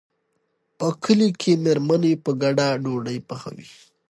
په کلي کې مېرمنې په ګډه ډوډۍ پخوي.